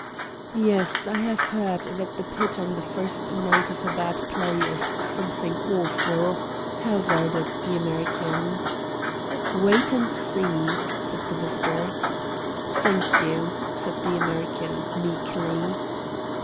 "Yes, I have heard that the pit on the first night of a bad play is something awful," hazarded the American. "Wait and see," said the visitor. "Thank you," said the American, meekly.